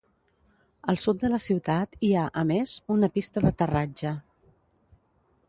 Al sud de la ciutat hi ha, a més, una pista d'aterratge.